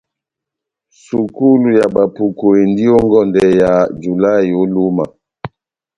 Sukulu ya bapuku endi ó ngɔndɛ yá julahï ó Lúma.